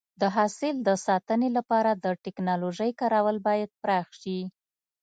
د حاصل د ساتنې لپاره د ټکنالوژۍ کارول باید پراخ شي.